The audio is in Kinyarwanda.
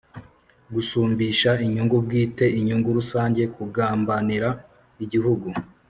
gusumbisha inyungu bwite inyungu rusange kugambanira Igihugu